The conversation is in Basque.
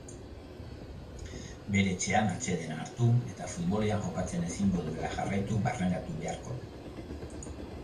Bere etxean atsedena hartu eta futbolean jokatzen ezingo duela jarraitu barneratu beharko du.